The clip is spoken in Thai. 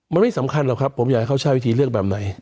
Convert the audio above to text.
มันไม่สำคัญหรอกครับผมอยากให้เขาใช้วิธีเลือกแบบไหน